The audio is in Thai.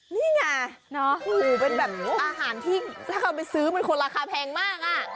นี่ไงเป็นแบบอาหารที่ถ้าเขาไปซื้อมันคนราคาแพงมากอ่ะ